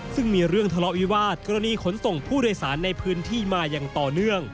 ซึ่งมีเรื่องทะเลาะวิวาสกรณีขนส่งผู้โดยสารในพื้นที่มาอย่างต่อเนื่อง